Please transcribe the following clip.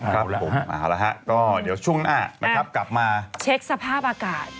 ครับผมเอาละฮะก็เดี๋ยวช่วงหน้านะครับกลับมาเช็คสภาพอากาศ